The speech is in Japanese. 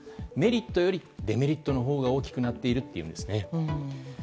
メリットよりデメリットのほうが大きくなっているというんですね。